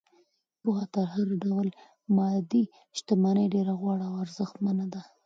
پوهه تر هر ډول مادي شتمنۍ ډېره غوره او ارزښتمنه ده.